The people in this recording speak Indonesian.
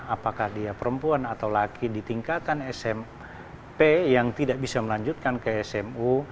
apakah dia perempuan atau laki di tingkatan smp yang tidak bisa melanjutkan ke smu